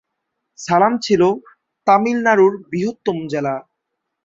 সালাম ছিল তামিলনাড়ুর বৃহত্তম জেলা।